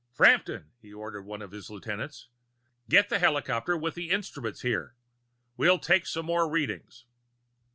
"Frampton!" he ordered one of his lieutenants. "Get the helicopter with the instruments here. We'll take some more readings."